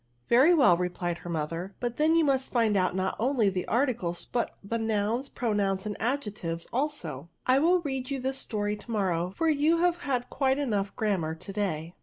" Very well," replied her mother; but then you must find out, not only the articles, but the nouns, pronouns, and adjectives also. I will read you this story to morrow, for you have had quite enough grammar to day."